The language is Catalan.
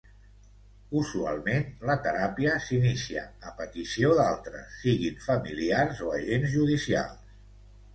Usualment la teràpia s'inicia a petició d'altres, siguin familiars o agents judicials.